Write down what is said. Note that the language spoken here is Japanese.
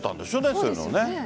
そういうの。